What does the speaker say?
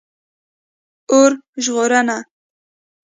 🚒 اور ژغورنه